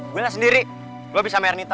gue gak sendiri gue bisa sama ernita